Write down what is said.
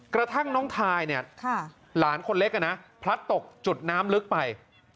กระทั่งน้องทายเนี่ยหลานคนเล็กพลัดตกจุดน้ำลึกไป